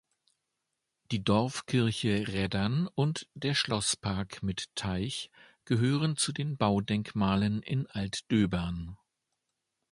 Die Dorfkirche Reddern und der Schlosspark mit Teich gehören zu den Baudenkmalen in Altdöbern.